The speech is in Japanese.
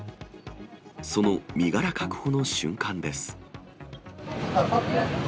その身柄確保の瞬間です。